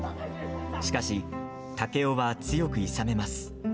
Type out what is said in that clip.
しかし、竹雄は強くいさめます。